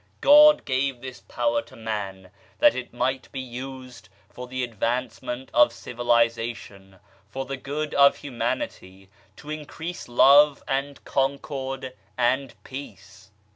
God gave this power to man that it might be used for the advancement of civilization, for the good of humanity, to increase Love and Concord and Peace.